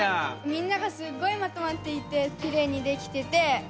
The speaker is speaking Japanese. みんながすごいまとまっていてきれいにできててうれしかったです。